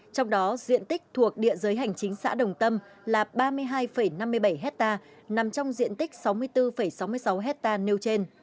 trong đó diện tích thuộc địa giới hành chính xã đồng tâm là ba mươi hai năm mươi bảy hectare nằm trong diện tích sáu mươi bốn sáu mươi sáu hectare nêu trên